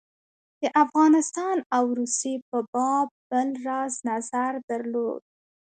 د افغانستان او روسیې په باب بل راز نظر درلود.